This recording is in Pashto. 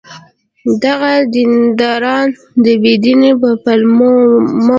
دغه دینداران د بې دینی په پلمو مه وژنه!